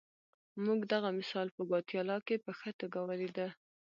موږ دغه مثال په ګواتیلا کې په ښه توګه ولیده.